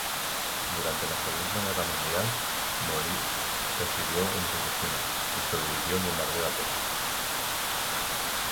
Durante la Segunda Guerra Mundial, Mori residió en Hiroshima y sobrevivió al bombardeo atómico.